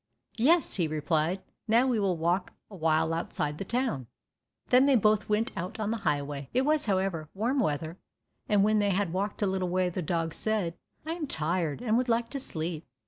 "Yes," he replied, "now we will walk awhile outside the town." Then they both went out on to the highway. It was, however, warm weather, and when they had walked a little way the dog said, "I am tired, and would like to sleep."